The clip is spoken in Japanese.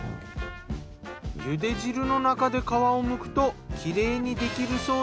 茹で汁の中で皮を剥くとキレイにできるそうです。